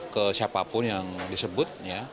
ke siapapun yang disebut